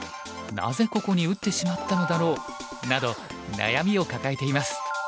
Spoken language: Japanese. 「なぜここに打ってしまったのだろう」など悩みを抱えています。